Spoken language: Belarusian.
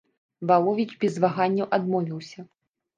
Валовіч без ваганняў адмовіўся.